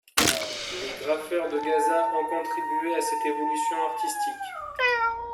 Les graffeurs de Gaza ont contribué à cette évolution artistique.